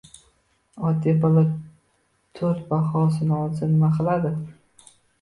Oddiy bola to'rt bahosini olsa, nima qiladi?